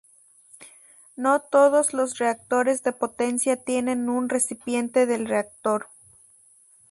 No todos los reactores de potencia tienen un recipiente del reactor.